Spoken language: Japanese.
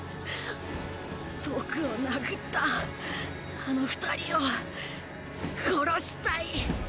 僕を殴ったあの２人を殺したい！